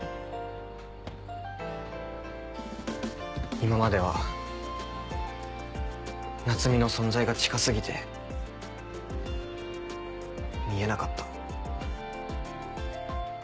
今までは夏海の存在が近過ぎて見えなかった。